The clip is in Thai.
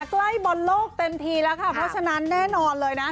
ใกล้บอลโลกเต็มทีแล้วค่ะเพราะฉะนั้นแน่นอนเลยนะ